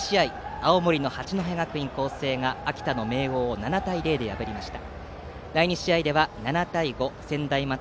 青森の八戸学院光星が秋田の明桜を７対０で破りました。